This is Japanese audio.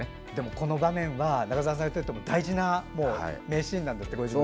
この場面は中澤さんにとっても大事な名シーンなんですって。